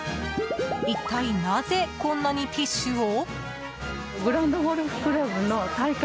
一体なぜこんなにティッシュを？